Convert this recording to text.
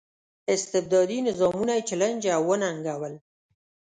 استبدادي نظامونه یې چلنج او وننګول.